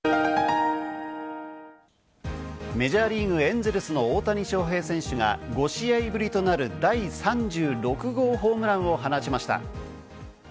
ニトリメジャーリーグ・エンゼルスの大谷翔平選手が５試合ぶりとなる第３６号ホームランを放ちました。